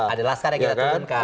ada las karya kita turunkan